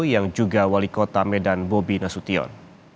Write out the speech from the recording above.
yang juga wali kota medan bobi nasution